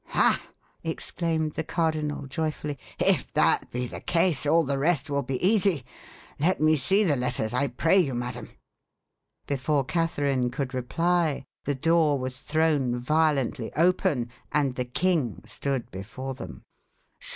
"Ha!" exclaimed the cardinal joyfully; "if that be the case, all the rest will be easy. Let me see the letters, I pray you, madam." Before Catherine could reply, the door was thrown violently open, and the king stood before them.